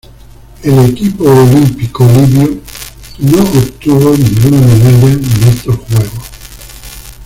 El equipo olímpico libio no obtuvo ninguna medalla en estos Juegos.